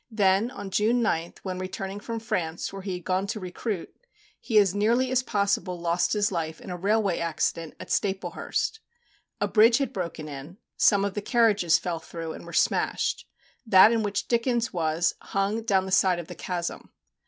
Then, on June 9th, when returning from France, where he had gone to recruit, he as nearly as possible lost his life in a railway accident at Staplehurst. A bridge had broken in; some of the carriages fell through, and were smashed; that in which Dickens was, hung down the side of the chasm.